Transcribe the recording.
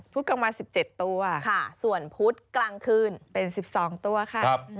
กลางวัน๑๗ตัวส่วนพุธกลางคืนเป็น๑๒ตัวค่ะ